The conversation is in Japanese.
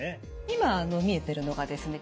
今見えてるのがですね